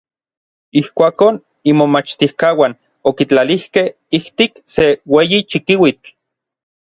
Ijkuakon imomachtijkauan okitlalijkej ijtik se ueyi chikiuitl.